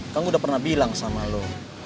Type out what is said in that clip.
kan gue udah pernah bilang sama lu